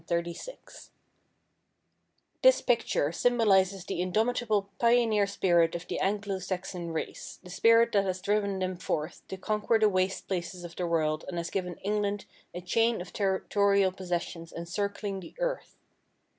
1 829 1 896) This picture symbolizes the indomitable pioneer spirit of the Anglo Saxon race, the spirit that has driven them forth to conquer the waste places of the world and has given England a chain of territorial possessions encircling the earth.